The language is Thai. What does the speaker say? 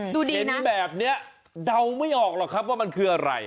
เห็นแบบนี้เดาไม่ออกหรอกครับว่ามันคืออะไร